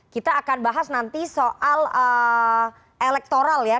kita akan bahas nanti soal elektoral ya